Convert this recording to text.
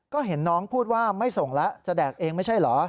ก็เห็นน้องพูดว่าไม่ส่งแล้วจะแดกเองไม่ใช่เหรอ